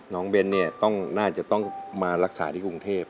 เบนเนี่ยน่าจะต้องมารักษาที่กรุงเทพ